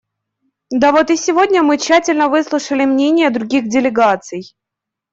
Да вот и сегодня мы тщательно выслушали мнения других делегаций.